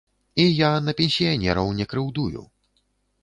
І я на пенсіянераў не крыўдую.